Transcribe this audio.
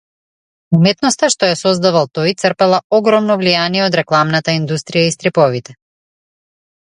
Уметноста што ја создавал тој црпела огромно влијание од рекламната индустрија и стриповите.